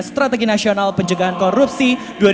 strategi nasional penjagaan korupsi